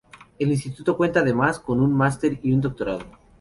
El Instituto cuenta, además, con un máster y un doctorado.